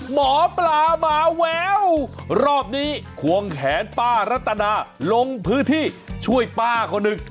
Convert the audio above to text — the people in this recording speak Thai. หมอปลาหมาแววรอบนี้ควงแขนป้ารัตนาลงพื้นที่ช่วยป้าคนหนึ่ง